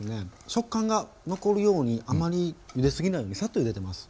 食感が残るようにあまりゆで過ぎないようにサッとゆでてます。